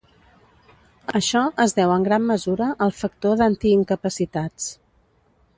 Això es deu en gran mesura al factor d'anti-incapacitats.